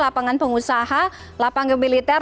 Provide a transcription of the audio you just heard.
lapangan pengusaha lapangan militer